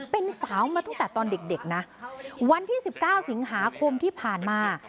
เป็นสาวมาตั้งแต่ตอนเด็กนะวันที่๑๙สิงหาคมที่ผ่านมา